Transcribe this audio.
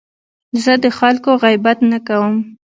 زه د خلکو غیبت نه کوم.